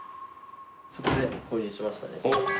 そこで購入しましたね。